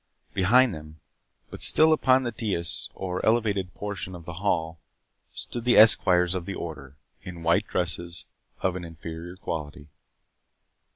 Behind them, but still upon the dais or elevated portion of the hall, stood the esquires of the Order, in white dresses of an inferior quality.